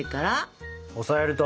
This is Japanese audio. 押さえると。